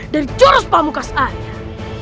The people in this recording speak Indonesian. dari jurus pamukkas ayah